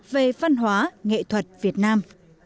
về văn hóa nghệ thuật việt nam